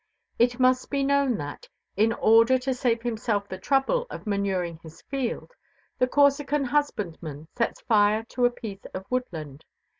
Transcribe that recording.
It must be known that, in order to save himself the trouble of manuring his field, the Corsican husbandman sets fire to a piece of woodland.